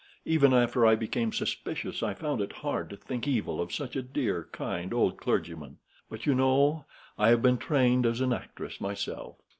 Even after I became suspicious, I found it hard to think evil of such a dear, kind old clergyman. But, you know, I have been trained as an actress myself.